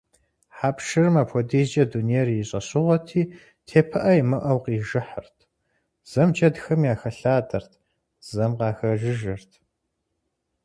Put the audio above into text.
Хьэпшырым апхуэдизкӏэ дунейр и щӏэщыгъуэти, тепыӏэ имыӏэу къижыхьырт, зэм джэдхэм яхэлъадэрт, зэм къахэжыжырт.